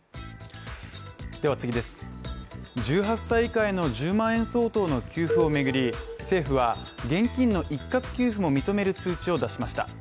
１８歳以下への１０万円相当の給付を巡り、政府は現金の一括給付を認める通知を出しました。